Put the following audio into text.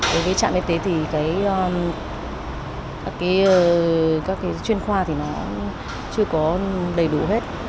đối với trạm y tế thì các chuyên khoa thì nó chưa có đầy đủ hết